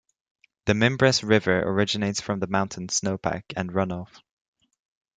The Mimbres River originates from the mountain snow pack and run-off.